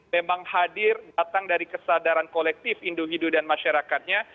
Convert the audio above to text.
memang hadir datang dari kesadaran kolektif individu dan masyarakatnya